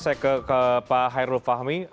saya ke pak hairul fahmi